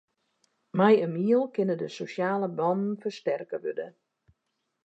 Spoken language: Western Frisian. Mei in miel kinne de sosjale bannen fersterke wurde.